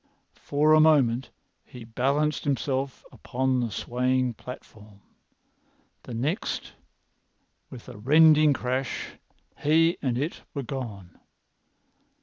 For a moment he balanced himself upon the swaying platform. The next, with a rending crash, he and it were gone.